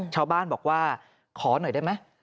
ชาวบ้านบอกว่าขอหน่อยได้ไหม